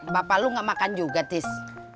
bapak lo ga makan juga tis